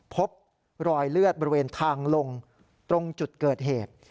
พบรอยเลือดบริเวณทางลงตรงจุดเกิดเหตุ